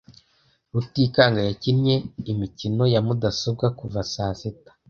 Rutikanga yakinnye imikino ya mudasobwa kuva saa sita.